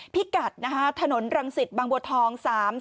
พิกัดนะคะถนนรังสิตบางบัวทอง๓๔